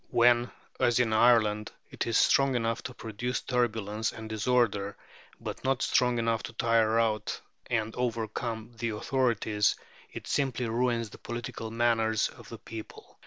When, as in Ireland, it is strong enough to produce turbulence and disorder, but not strong enough to tire out and overcome the authorities, it simply ruins the political manners of the people.